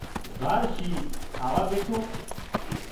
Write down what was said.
زار شينهن کاوا ٻيٺو